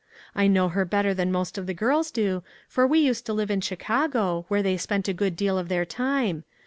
I know her better than most of the girls do, for we used to live in Chicago, where they spent a good deal of their time.